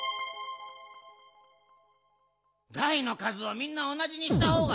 だいのかずをみんなおなじにしたほうがいいよな？